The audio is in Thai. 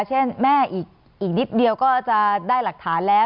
เช่นแม่อีกนิดเดียวก็จะได้หลักฐานแล้ว